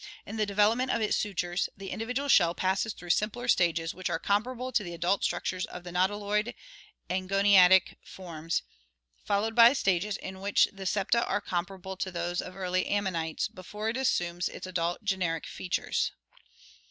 In the development of its sutures the individual shell passes through simpler stages which are comparable to the adult structures of nautiloid and goniatitic forms, followed by stages in which the septa are comparable to those of early Ammonites before it assumes its adult generic features.